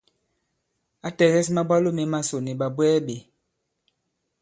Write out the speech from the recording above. Ǎ tɛ̀gɛs mabwalo mē masò nì ɓàbwɛɛ ɓē.